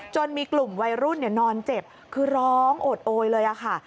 มีกลุ่มวัยรุ่นนอนเจ็บคือร้องโอดโอยเลยค่ะ